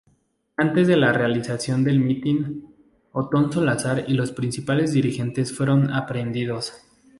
Antes de la realización del mitin, Othón Salazar y los principales dirigentes fueron aprehendidos.